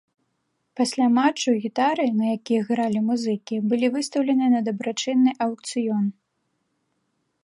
Пасля матчу гітары, на якіх гралі музыкі, былі выстаўленыя на дабрачынны аўкцыён.